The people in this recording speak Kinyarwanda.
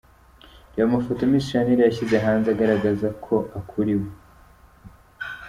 Reba amafoto Miss Shanel yashyize hanze agaragaza ko akuriwe.